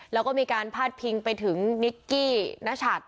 แล้วก็มีการพาดพิงไปถึงนิกกี้นัชัด